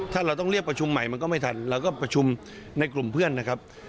ถ้าเราต้องเรียกประชุมใหม่มันก็ไม่ทันเราก็ประชุมในกลุ่มเพื่อนนะครับ